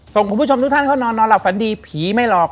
คุณผู้ชมทุกท่านเข้านอนนอนหลับฝันดีผีไม่หลอก